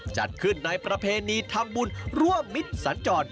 จัดขึ้นในประเพณีทำบุญร่วมมิตรสัญจร